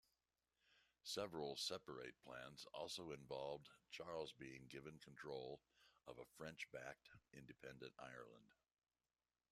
Several separate plans also involved Charles being given control of a French-backed independent Ireland.